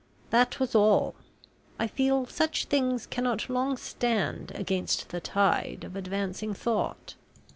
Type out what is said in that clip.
That was all. I feel such things cannot long stand against the tide of advancing thought.